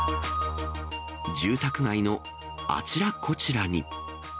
住宅街のあちらこちらに。